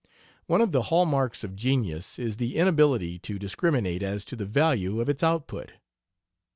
One of the hall marks of genius is the inability to discriminate as to the value of its output.